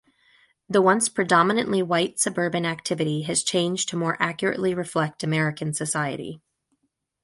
The once predominantly white, suburban activity has changed to more accurately reflect American society.